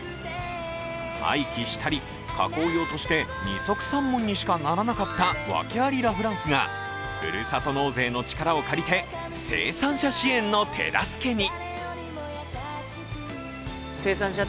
廃棄したり、加工用として二束三文にしかならなかった訳ありラ・フランスが、ふるさと納税の力を借りて生産者支援の手助けに。